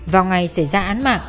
vào ngày xảy ra án mạng